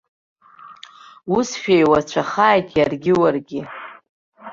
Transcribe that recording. Ус шәеиуацәахааит иаргьы уаргьы!